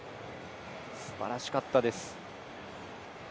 すばらしかったです。